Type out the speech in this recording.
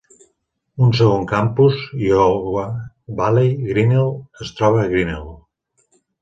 Un segon campus, Iowa Valley Grinnell, es troba a Grinnell.